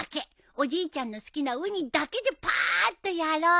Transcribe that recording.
おじいちゃんの好きなウニだけでパーッっとやろうよ！